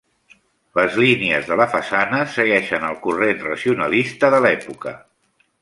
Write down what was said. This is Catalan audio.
Les línies de la façana segueixen el corrent racionalista de l'època.